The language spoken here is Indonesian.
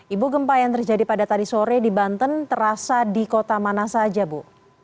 ibu gempa yang terjadi pada tadi sore di banten terasa di kota mana saja bu